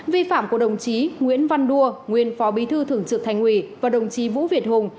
vi phạm của đồng chí nguyễn văn đua nguyên phó bí thư thường trực thành ủy và đồng chí vũ việt hùng